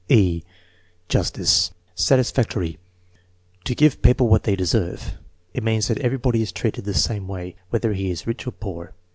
(e) Justice Satisfactory. "To give people what they deserve." "It means that everybody is treated the same way, whether he is rich or poor."